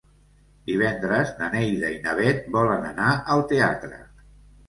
Divendres na Neida i na Bet volen anar al teatre.